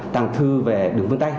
tàng thư về đường phương tay